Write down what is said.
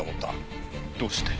どうして？